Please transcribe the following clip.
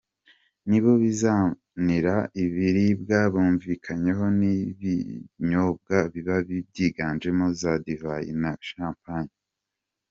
Nibo bizanira ibiribwa bumvikanyeho n’ibinyobwa biba byiganjemo za divayi na champagne.